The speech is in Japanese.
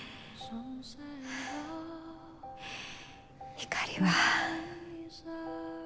ひかりは。